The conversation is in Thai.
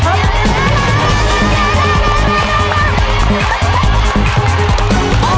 ไม่ออกไปเลย